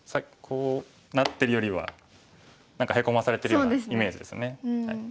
こうなってるよりは何かヘコまされてるようなイメージですね。